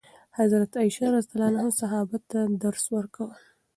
حضرت عایشه رضي الله عنها صحابه ته درس ورکول.